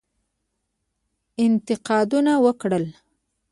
انتقاونه وکړل.